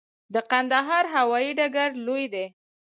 د کندهار هوايي ډګر لوی دی